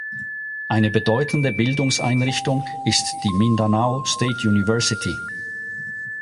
Eine bedeutende Bildungseinrichtung ist die Mindanao State University.